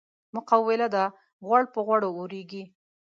مقوله ده: غوړ په غوړو اورېږي.